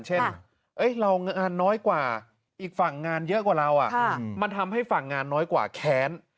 เช่นเรางานน้อยกว่าอีกฝั่งงานเยอะกว่าเรามันทำให้ฝั่งงานน้อยกว่าแค้น